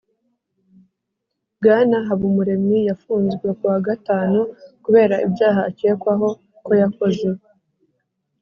Bwana Habumuremyi yafunzwe ku wa gatanu kubera ibyaha akekwaho ko yakoze